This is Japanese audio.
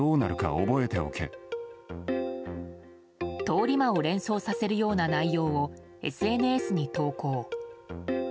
通り魔を連想させるような内容をＳＮＳに投稿。